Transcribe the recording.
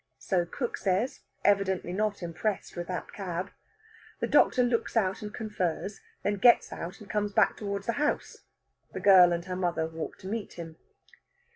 So cook says, evidently not impressed with that cab. The doctor looks out and confers; then gets out and comes back towards the house. The girl and her mother walk to meet him.